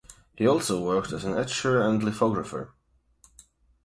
He also worked as an etcher and lithographer.